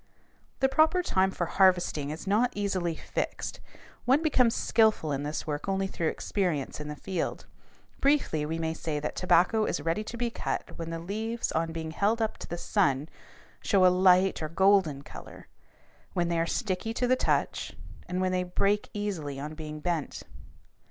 The proper time for harvesting is not easily fixed; one becomes skillful in this work only through experience in the field. Briefly, we may say that tobacco is ready to be cut when the leaves on being held up to the sun show a light or golden color, when they are sticky to the touch, and when they break easily on being bent.